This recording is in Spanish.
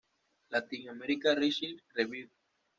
Latin American Research Review.